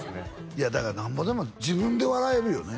いやだからなんぼでも自分で笑えるよね？